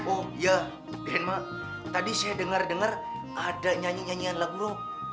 oh ya denmark tadi saya dengar dengar ada nyanyi nyanyian lagu